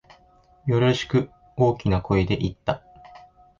よろしく、大きな声で言った。